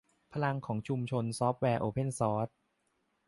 พลังของชุมชนซอฟต์แวร์โอเพนซอร์ส